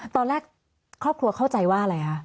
ตอนแรกครอบครัวเข้าใจว่าอะไรคะ